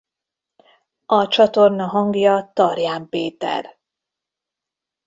A csatorna hangja Tarján Péter.